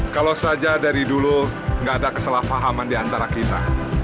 kalau saja dari dulu gak ada kesalahpahaman di antara kita